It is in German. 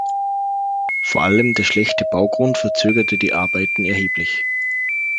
Vor allem der schlechte Baugrund verzögerte die Arbeiten erheblich.